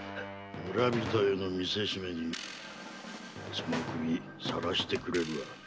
村人への見せしめにその首晒してくれるわ。